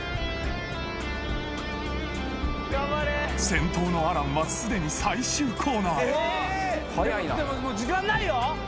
先頭の亜嵐は既に最終コーナーへもう時間ないよ！